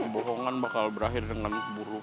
bohongan bakal berakhir dengan buruk